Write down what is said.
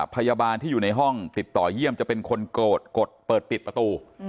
พยาบาลที่อยู่ในห้องติดต่อเยี่ยมจะเป็นคนโกรธกดเปิดปิดประตู